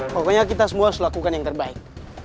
pokoknya kita semua selakukan yang terbaik